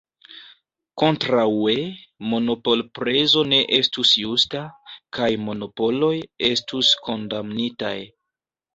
Kontraŭe, monopolprezo ne estus justa, kaj monopoloj estus kondamnitaj.